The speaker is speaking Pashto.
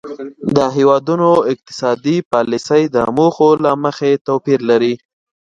د هیوادونو اقتصادي پالیسۍ د موخو له مخې توپیر لري